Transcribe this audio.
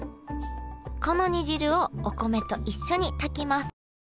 この煮汁をお米と一緒に炊きます